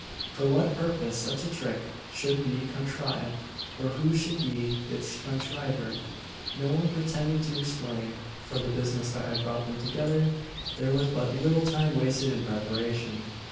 For what purpose such a trick should be contrived, or who should be its contriver, no one pretended to explain. For the business that had brought them togther, there was but little time wasted in preparation.